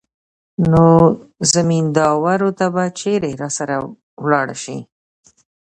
نو زمينداورو ته به چېرې راسره ولاړه سي.